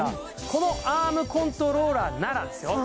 このアームコントローラーならですよ